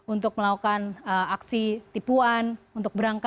untuk melakukan aksi tipuan